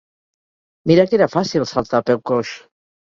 Mira que era fàcil, saltar a peu coix!